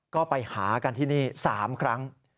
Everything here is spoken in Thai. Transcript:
ก็ไปหากันที่นี่๓ครั้ง